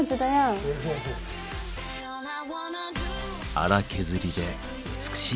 荒削りで美しい。